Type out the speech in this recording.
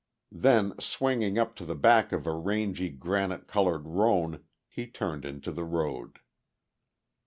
Then, swinging up to the back of a rangy granite coloured roan, he turned into the road.